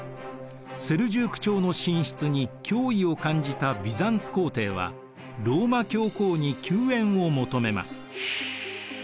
セルジューク朝の進出に脅威を感じたビザンツ皇帝はローマ教皇に救援を求めます。